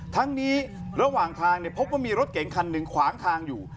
ทั้งนี้ระหว่างทางพบว่ามีรถเก๋งคันหนึ่งขวางทางอยู่